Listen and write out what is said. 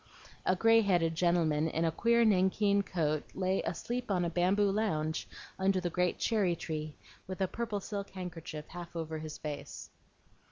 A gray headed gentleman in a queer nankeen coat lay asleep on a bamboo lounge under the great cherry tree, with a purple silk handkerchief half over his face.